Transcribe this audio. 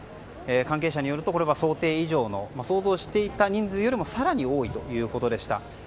関係者によると、想定以上の想像していた人数の更に多いということでした。